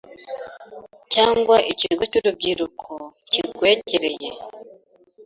cyangwa ikigo cy’urubyiruko kigwegereye,